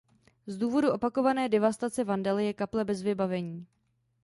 Z důvodu opakované devastace vandaly je kaple bez vybavení.